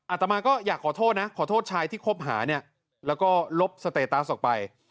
อาตมาก็อยากขอโทษนะขอโทษชายที่คบหาเนี่ยแล้วก็ลบสเตตัสออกไป